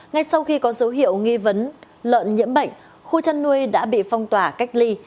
ngay sau khi có dấu hiệu nghi vấn lợn nhiễm bệnh khu chăn nuôi đã bị phong tỏa cách ly